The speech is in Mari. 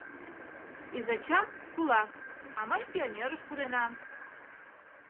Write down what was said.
Изачам — кулак, а мый пионерыш пуренам...